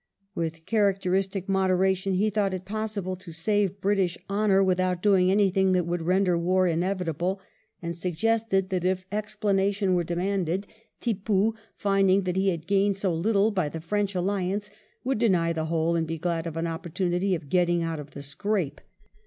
With characteristic moderation he thought it possible to save British honour without doing anything that would render war inevitable ; and suggested that if explanation were demanded, Tippoo, finding that he had gained so little by the French alliance, would "deny the whole and be glad of an opportunity of getting out of the scrape."